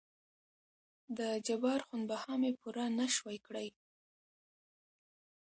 دجبار خون بها مې پوره نه شوى کړى.